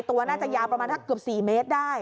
ตัวน่าจะยาวประมาณเกือบ๔เมตรได้